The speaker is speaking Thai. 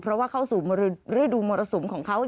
เพราะว่าเข้าสู่ฤดูมรสุมของเขา